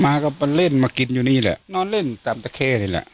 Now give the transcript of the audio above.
มาก็มาเล่นมากินอยู่นี่แหละนอนเล่นตามตะเคนี่แหละ